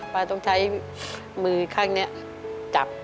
ป้าต้องใช้มือข้างนี้จับ